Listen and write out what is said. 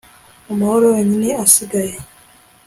Mu mahoro yonyine asigaye